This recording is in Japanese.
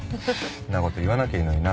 そんな事言わなきゃいいのにな。